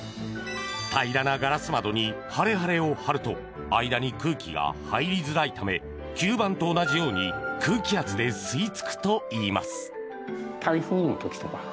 平らなガラス窓にハレハレを貼ると間に空気が入りづらいため吸盤と同じように空気圧で吸いつくといいます。